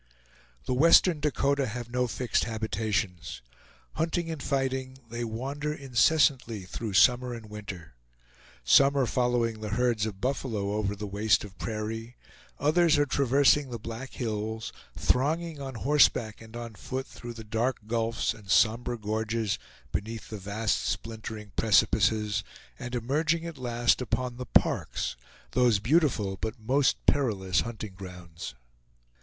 The western Dakota have no fixed habitations. Hunting and fighting, they wander incessantly through summer and winter. Some are following the herds of buffalo over the waste of prairie; others are traversing the Black Hills, thronging on horseback and on foot through the dark gulfs and somber gorges beneath the vast splintering precipices, and emerging at last upon the "Parks," those beautiful but most perilous hunting grounds.